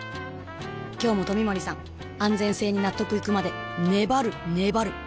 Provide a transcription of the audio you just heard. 今日も冨森さん安全性に納得いくまで粘る粘る